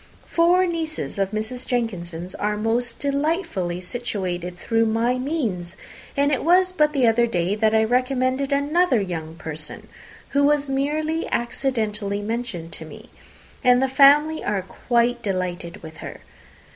Four nieces of Mrs. Jenkinson are most delightfully situated through my means; and it was but the other day that I recommended another young person, who was merely accidentally mentioned to me, and the family are quite delighted with her.